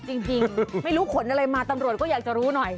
จริงไม่รู้ขนอะไรมาตำรวจก็อยากจะรู้หน่อย